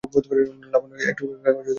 লাবণ্য একটা টুকরো কাগজে লিখতে যাচ্ছিল।